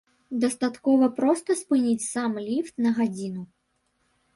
Дастаткова проста спыніць сам ліфт на гадзіну.